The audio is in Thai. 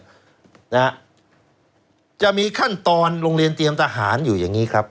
นะฮะจะมีขั้นตอนโรงเรียนเตรียมทหารอยู่อย่างนี้ครับ